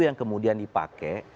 yang kemudian dipakai